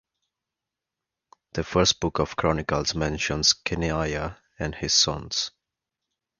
The First Book of Chronicles mentions Kenaniah and his sons.